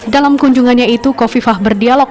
dalam kunjungannya itu kofifah berdialog